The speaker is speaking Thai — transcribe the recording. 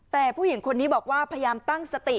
แต่ผู้หญิงคนนี้บอกว่าพยายามตั้งสติ